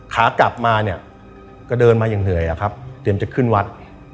ขากลับมาเนี่ยก็เดินมาอย่างเหนื่อยอะครับเตรียมจะขึ้นวัด